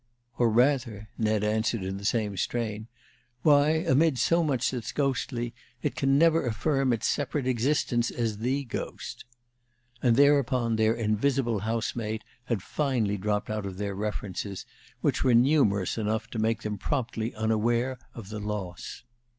"Or, rather," Ned answered, in the same strain, "why, amid so much that's ghostly, it can never affirm its separate existence as the ghost." And thereupon their invisible housemate had finally dropped out of their references, which were numerous enough to make them promptly unaware of the loss.